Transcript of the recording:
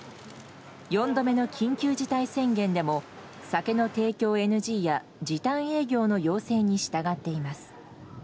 ４度目の緊急事態宣言でも酒の提供ＮＧや時短営業の要請に従っています。